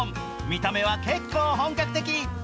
見た目は結構本格的。